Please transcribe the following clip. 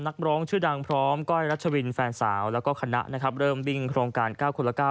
นักร้องชื่อดังพร้อมก้อยรัชวินแฟนสาวแล้วก็คณะนะครับเริ่มวิ่งโครงการ๙คนละ๙